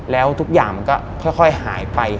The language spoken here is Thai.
แล้วทุกอย่างมันก็ค่อยหายไป